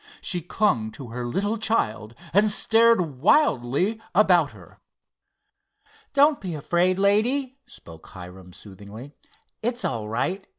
She clung to her little child and stared wildly about her. "Don't be afraid, lady," spoke Hiram, soothingly. "It's all right.